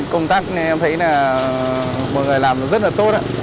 công tác em thấy là mọi người làm rất là tốt ạ